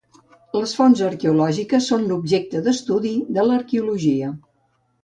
Les fonts arqueològiques són l'objecte d'estudi de l'arqueologia.